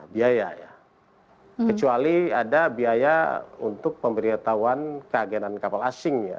biaya ya kecuali ada biaya untuk pemberitahuan keagenan kapal asing ya